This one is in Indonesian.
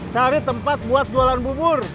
cari tempat buat jualan bubur